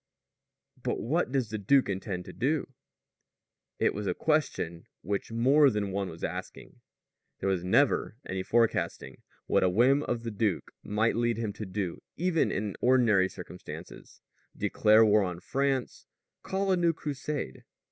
"But what does the duke intend to do?" It was a question which more than one was asking. There was never any forecasting what a whim of the duke might lead him to do even in ordinary circumstances declare war on France, call a new Crusade.